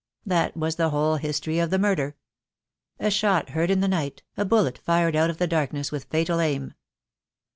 That was the whole history of the murder. A shot heard in the night, a bullet fired out of the darkness with fatal aim.